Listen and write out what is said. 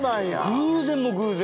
偶然も偶然。